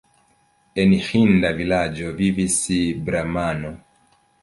En ĥinda vilaĝo vivis bramano.